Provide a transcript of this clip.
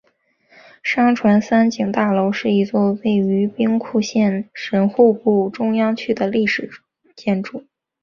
商船三井大楼是一座位于兵库县神户市中央区的历史建筑。